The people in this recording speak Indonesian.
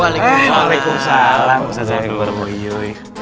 waalaikumsalam ustaz zanuyuh